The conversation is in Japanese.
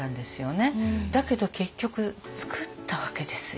だけど結局つくったわけですよ。